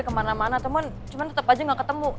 kemana mana cuman tetep aja gak ketemu